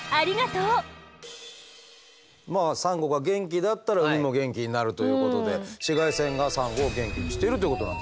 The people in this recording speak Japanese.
まあサンゴが元気だったら海も元気になるということで紫外線がサンゴを元気にしているということなんですね。